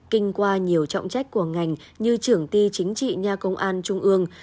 kinh qua nhiều trọng trách của ngành như trưởng ti chính trị nha công an trung ương